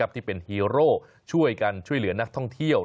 ที่เป็นฮีโร่ช่วยกันช่วยเหลือนักท่องเที่ยว